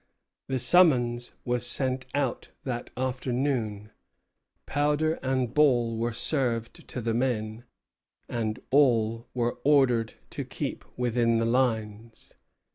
The summons was sent out that afternoon. Powder and ball were served to the men, and all were ordered to keep within the lines.